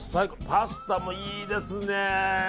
パスタもいいですね。